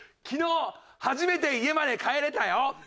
昨日初めて家まで帰れたよ！